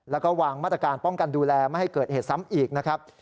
แล้วก็วางมาตรการป้องกันดูแลไม่ให้เกิดเหตุซ้ำอีกนะครับ